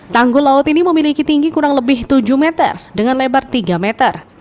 tanggul laut ini memiliki tinggi kurang lebih tujuh meter dengan lebar tiga meter